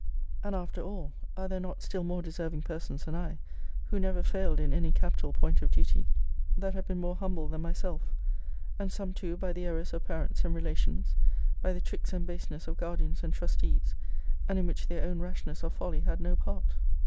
And after all, are there not still more deserving persons than I, who never failed in any capital point of duty, than have been more humbled than myself; and some too, by the errors of parents and relations, by the tricks and baseness of guardians and trustees, and in which their own rashness or folly had no part?